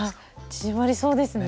縮まりそうですね。